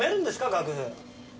楽譜。